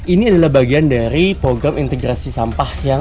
ini adalah bagian dari program integrasi sampah